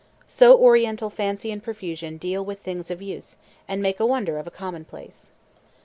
So oriental fancy and profusion deal with things of use, and make a wonder of a commonplace.